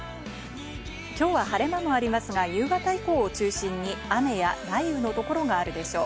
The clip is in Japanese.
きょうは晴れ間もありますが、夕方以降を中心に雨や雷雨のところがあるでしょう。